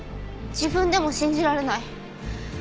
自分でも信じられない。